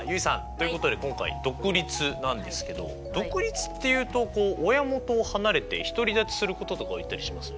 ということで今回「独立」なんですけど独立っていうと親元を離れて独り立ちすることとかを言ったりしますよね。